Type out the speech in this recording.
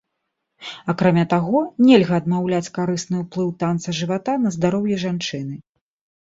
Акрамя таго, нельга адмаўляць карысны ўплыў танца жывата на здароўе жанчыны.